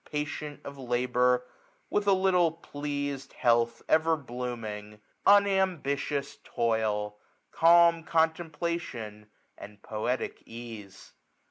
Patient of labour, with a little pleas'd ; Health ever blooming ; unambitious toil ;' Calm contemplation, and poetic ease.